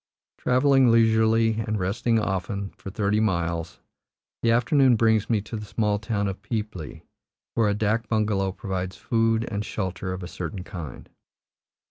Travelling leisurely, and resting often, for thirty miles, the afternoon brings me to the small town of Peepli, where a dak bungalow provides food and shelter of a certain kind.